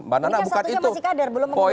ini kan satunya masih kader belum mengkritik